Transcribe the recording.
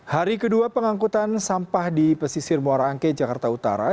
hari kedua pengangkutan sampah di pesisir muara angke jakarta utara